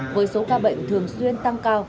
với số ca bệnh thường xuyên tăng cao